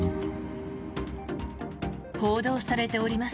報道されております